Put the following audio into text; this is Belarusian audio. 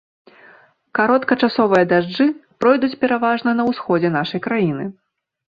Кароткачасовыя дажджы пройдуць пераважна на ўсходзе нашай краіны.